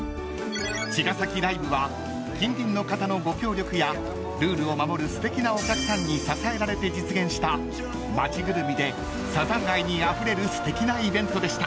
［茅ヶ崎ライブは近隣の方のご協力やルールを守るすてきなお客さんに支えられて実現した町ぐるみでサザン愛にあふれるすてきなイベントでした］